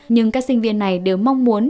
nhưng các sinh viên này đều mong muốn